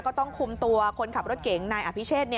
ก็ต้องคุมตัวคนขับรถเก๋งนายอภิเชษ